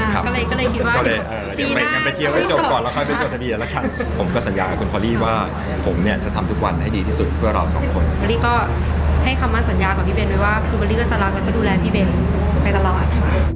คือบารี้ก็จะรับและก็ดูแลพี่เบนไปตลอด